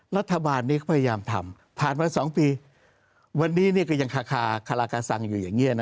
รัฐบาลนี้ก็พยายามทำผ่านมา๒ปีวันนี้ก็ยังคาราคาซังอยู่อย่างนี้นะ